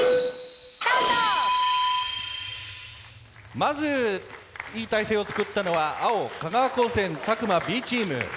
まずいい態勢を作ったのは青香川高専詫間Ｂチーム。